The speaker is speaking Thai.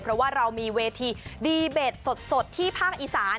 เพราะว่าเรามีเวทีดีเบตสดที่ภาคอีสาน